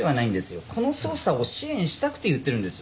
この捜査を支援したくて言ってるんです。